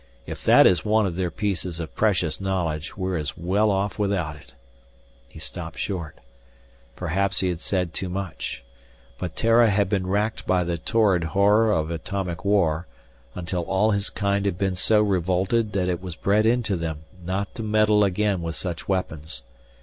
"If that is one of their pieces of precious knowledge, we're as well off without it " he stopped short. Perhaps he had said too much. But Terra had been racked by the torrid horror of atomic war, until all his kind had been so revolted that it was bred into them not to meddle again with such weapons.